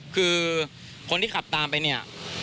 คือคนที่ขับตามไปเนี่ย